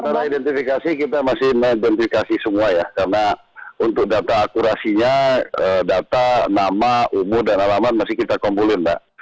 karena identifikasi kita masih mengidentifikasi semua ya karena untuk data akurasinya data nama umur dan alamat masih kita kumpulin mbak